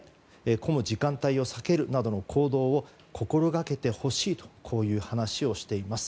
混む時間帯を避けるなどの行動を心がけてほしいという話をしています。